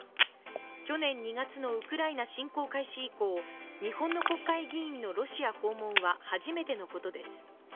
去年２月のウクライナ侵攻開始以降、日本の国会議員のロシア訪問は初めてのことです。